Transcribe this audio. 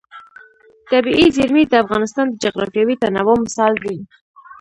طبیعي زیرمې د افغانستان د جغرافیوي تنوع مثال دی.